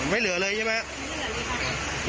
ไม่เหลือเลยใช่ไหมไม่เหลือเลยค่ะ